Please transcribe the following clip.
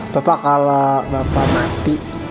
bapak kalau bapak mati